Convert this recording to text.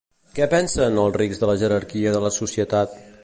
Què pensen els rics de la jerarquia de la societat?